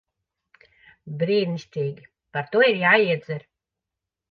Brīnišķīgi. Par to ir jāiedzer.